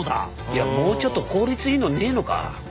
いやもうちょっと効率いいのねえのか？